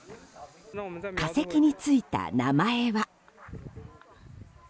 化石についた名前は。